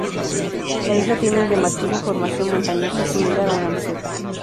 La isla tiene un llamativo formación montañosa, similar a una meseta.